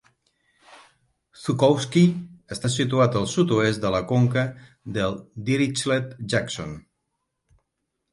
Zhukovskiy està situat al Sud-oest de la conca del Dirichlet-Jackson.